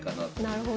なるほど。